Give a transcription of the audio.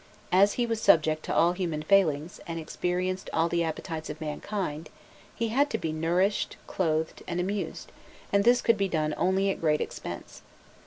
As he was subject to all human failings, and experienced all the appetites of mankind, he had to be nourished, clothed, and amused, and this could be done only at great expense.